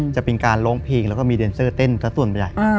จะเป็นการร้องเพลงแล้วมีเดนเซอร์เต้นซะส่วนประยะ